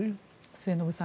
末延さん